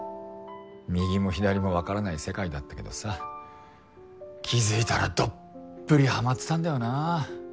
右も左もわからない世界だったけどさ気づいたらどっぷりハマってたんだよなぁ。